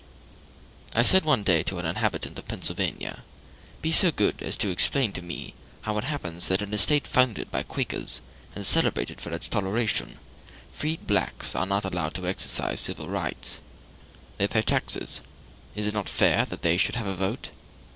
I said one day to an inhabitant of Pennsylvania, "Be so good as to explain to me how it happens that in a State founded by Quakers, and celebrated for its toleration, freed blacks are not allowed to exercise civil rights. They pay the taxes; is it not fair that they should have a vote?"